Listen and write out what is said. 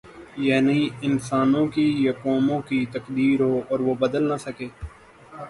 یعنی انسانوں کی یا قوموں کی تقدیر ہو اور وہ بدل نہ سکے۔